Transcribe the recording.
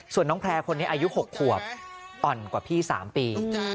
ส่วนน้องแพร่คนนี้อายุ๖ขวบอ่อนกว่าพี่๓ปี